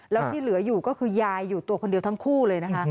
แล้วที่เหลืออยู่ก็คือยายอยู่ตัวคนเดียวทั้งคู่เลยนะคะ